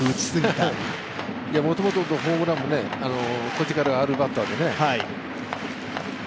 もともとホームランも、底力があるバッターでね。